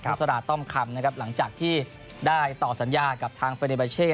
นุษยาต้อมคำหลังจากที่ได้ต่อสัญญากับทางเฟอร์นิบาเช่